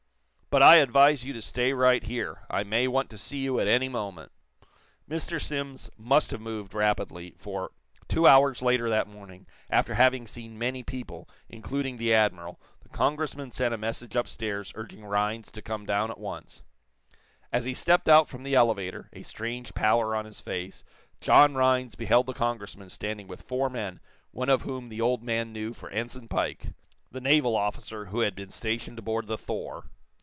"But I advise you to stay right here. I may want to see you at any moment." Mr. Simms must have moved rapidly, for, two hours later that morning, after having seen many people, including the admiral, the Congressman sent a message upstairs urging Rhinds to come down at once. As he stepped out from the elevator, a strange pallor on his face, John Rhinds beheld the Congressman standing with four men one of whom the old man knew for Ensign Pike, the naval officer who had been stationed aboard the 'Thor.'